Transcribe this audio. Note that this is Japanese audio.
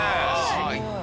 すごい！